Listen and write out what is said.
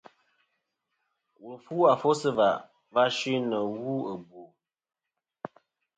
Wùl fu afo sɨ̀ và va suy nɨ̀ wu ɨ bwo.